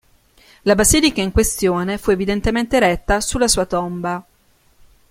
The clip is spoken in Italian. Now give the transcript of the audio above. La basilica in questione fu evidentemente eretta sulla sua tomba.